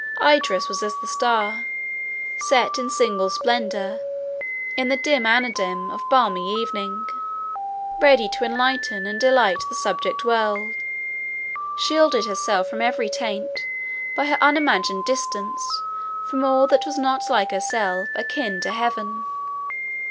Idris was as the star, set in single splendour in the dim anadem of balmy evening; ready to enlighten and delight the subject world, shielded herself from every taint by her unimagined distance from all that was not like herself akin to heaven.